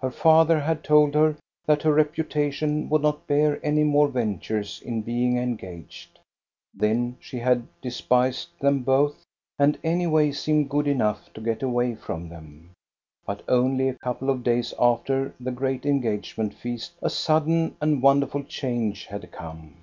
Her father had told her that her reputation would not bear any more ventures in being engaged. Then she had de spised them both, and any way seemed good enough to get away from them. But only a couple of days after the great engagement feast a sudden and won derful change had come.